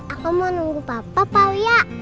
aku mau nunggu papa pak wiyah